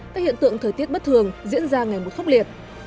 các hiện tượng thời tiết bất thường diễn ra ngày một khốc liệt